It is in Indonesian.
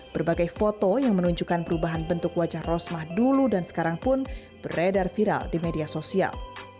berbagai foto yang menunjukkan perubahan bentuk wajah rosmah dulu dan sekarang pun beredar viral di media sosial